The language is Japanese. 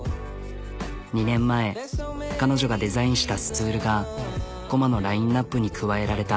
２年前彼女がデザインしたスツールがＫＯＭＡのラインアップに加えられた。